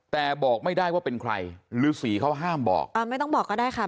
แต่บอกไม่ได้ว่าเป็นใครฤษีเขาห้ามบอกอ่าไม่ต้องบอกก็ได้ค่ะ